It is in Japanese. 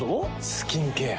スキンケア。